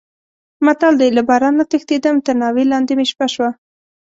متل دی: له بارانه تښتېدم تر ناوې لانې مې شپه شوه.